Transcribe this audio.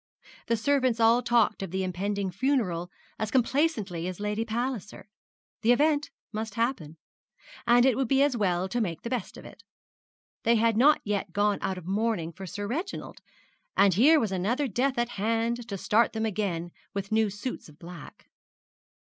The servants all talked of the impending funeral as complacently as Lady Palliser. The event must happen; and it would be as well to make the best of it. They had not yet gone out of mourning for Sir Reginald; and here was another death at hand to start them again with new suits of black.